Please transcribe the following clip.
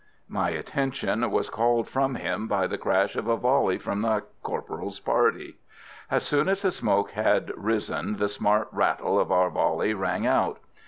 My attention was called from him by the crash of a volley from the corporal's party. As soon as the smoke had risen the smart rattle of our volley rang out.